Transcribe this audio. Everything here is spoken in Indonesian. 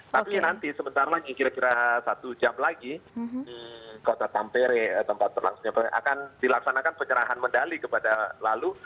tapi nanti sebentar lagi kira kira satu jam lagi di kota tampere tempat berlangsungnya akan dilaksanakan penyerahan medali kepada lalu